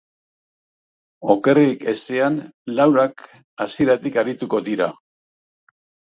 Okerrik ezean laurak hasieratik arituko dira.